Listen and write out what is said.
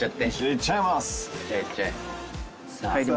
いっちゃいます！